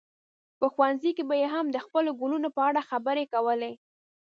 په ښوونځي کې به یې هم د خپلو ګلونو په اړه خبرې کولې.